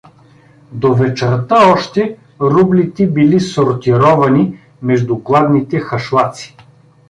До вечерта още рублите били сортировани между гладните хъшлаци.